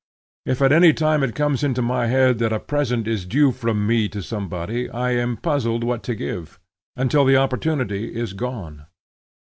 If at any time it comes into my head that a present is due from me to somebody, I am puzzled what to give, until the opportunity is gone.